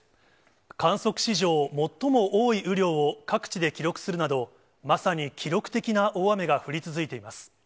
観測史上最も多い雨量を各地で記録するなど、まさに記録的な大雨が降り続いています。